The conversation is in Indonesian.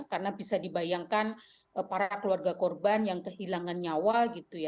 karena bisa dibayangkan para keluarga korban yang kehilangan nyawa gitu ya